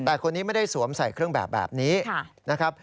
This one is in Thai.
แต่คนนี้ไม่ได้สวมใส่เครื่องแบบแบบนี้นะครับ